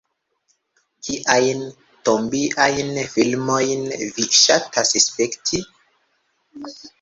Kiajn zombiajn filmojn vi ŝatas spekti?